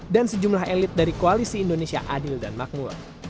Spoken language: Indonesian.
dan sejumlah elit dari koalisi indonesia adil dan makmur